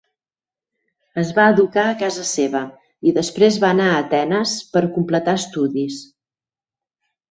Es va educar a casa seva i després va anar a Atenes per completar estudis.